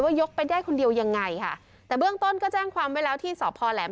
ยกไปได้คนเดียวยังไงค่ะแต่เบื้องต้นก็แจ้งความไว้แล้วที่สพแหลม